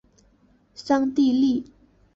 桑蒂利。